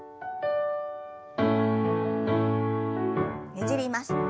ねじります。